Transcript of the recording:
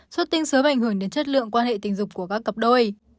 xuất tinh sớm và ảnh hưởng đến chất lượng quan hệ tình dục của các cặp đôi